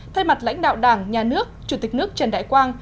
thay mặt lãnh đạo đảng nhà nước chủ tịch nước trần đại quang